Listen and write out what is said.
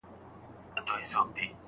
صالحه ميرمن د الله تعالی ذکر کوونکې وي.